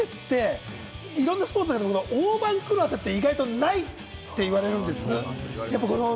バスケっていろんなスポーツの中で、大判狂わせって意外とないって言われるんです。